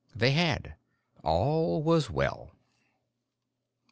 They had. All was well.